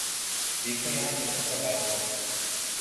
دیکھو یہاں بستر لگادو